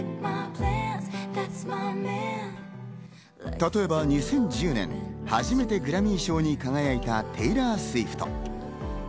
例えば２０１０年、初めてグラミー賞に輝いたテイラー・スウィフト。